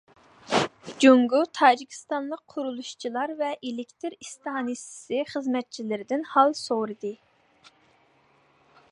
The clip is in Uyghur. جۇڭگو، تاجىكىستانلىق قۇرۇلۇشچىلار ۋە ئېلېكتىر ئىستانسىسى خىزمەتچىلىرىدىن ھال سورىدى.